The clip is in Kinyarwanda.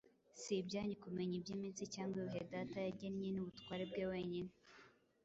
Si ibyanyu kumenya iby’iminsi cyangwa ibihe Data yagennye ni ubutware bwe wenyine.”